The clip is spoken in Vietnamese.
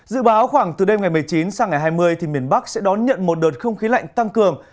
dự báo khoảng từ đêm ngày một mươi chín sang ngày hai mươi thì miền bắc sẽ đón nhận một đợt không khí lạnh tăng cường